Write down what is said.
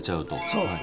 そう。